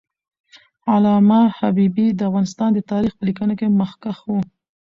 علامه حبیبي د افغانستان د تاریخ په لیکنه کې مخکښ و.